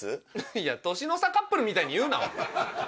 いや年の差カップルみたいに言うなお前。